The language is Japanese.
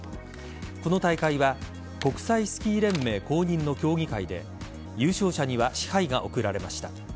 この大会は国際スキー連盟公認の競技会で優勝者には賜杯が贈られました。